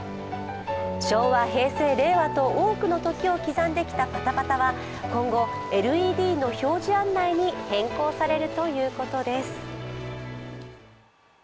昭和、平成、令和と多くの時を刻んできたパタパタは今後、ＬＥＤの表示案内に変更されるということです。